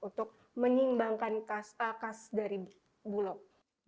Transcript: untuk menyingbangkan kas dari bulog